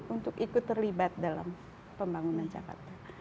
untuk ikut terlibat dalam pembangunan jakarta